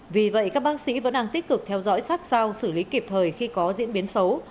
vì vậy các bác sĩ vẫn đang tích cực theo dõi sát sao xử lý kịp thời khi có diễn biến xấu